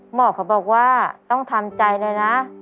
หมอเขาบอกว่าต้องทำใจเลยนะ